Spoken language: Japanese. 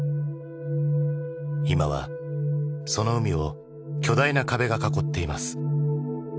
今はその海を巨大な壁が囲っています。